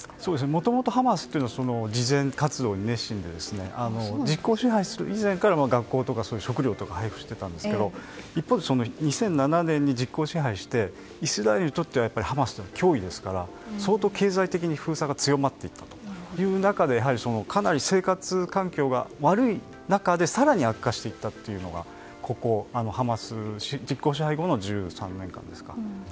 もともとハマスは慈善活動に熱心で実効支配する以前から学校とか食料を配布していたんですけど一方で２００７年に実効支配してイスラエルにとってハマスというのは脅威ですから相当経済的に支配が強まっていった中でかなり生活環境が悪い中で更に悪化していったというのが実効支配後の１３年間ですか。